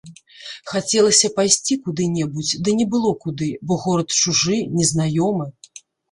Хацелася пайсці куды-небудзь, ды не было куды, бо горад чужы, незнаёмы.